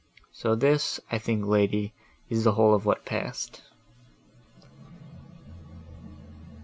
So this, I think, lady, is the whole of what passed."